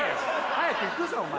早く行くぞお前！